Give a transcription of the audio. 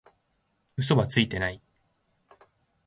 嘘はついてない